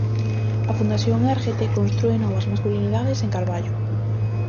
A fundación Érguete constrúe novas masculinidades en Carballo.